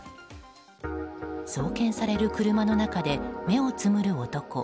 送検される車の中で目をつぶる男。